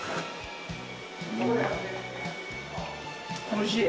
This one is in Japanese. おいしい。